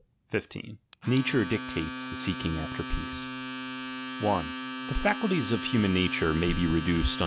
15. Nature dictates the seeking after peace. The faculties of human nature may be reduced chap.